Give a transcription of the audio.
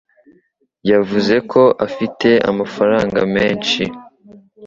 Yavuze ko afite amafaranga menshi.